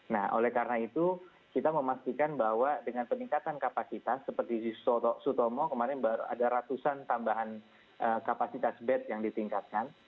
nah oleh karena itu kita memastikan bahwa dengan peningkatan kapasitas seperti sutomo kemarin baru ada ratusan tambahan kapasitas bed yang ditingkatkan